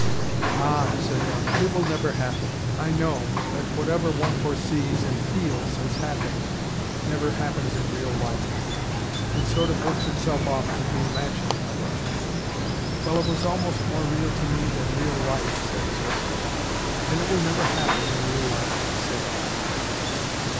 "Ah," said Aaron. "It will never happen. I know, that whatever one foresees, and FEELS has happened, never happens in real life. It sort of works itself off through the imagining of it." "Well, it was almost more real to me than real life," said his hostess. "Then it will never happen in real life," he said.